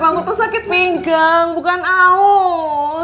aku tuh sakit pinggang bukan aus